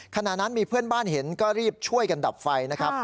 ขณะนั้นมีเพื่อนบ้านเห็นก็รีบช่วยกันดับไฟนะครับ